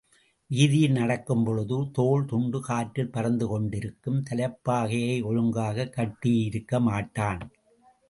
வீதியில் நடக்கும்பொழுது, தோள் துண்டு காற்றில் பறந்து கொண்டிருக்கும், தலைப்பாகையை ஒழுங்காகக் கட்டியிருக்கமாட்டான்.